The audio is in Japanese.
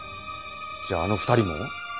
じゃああの２人も？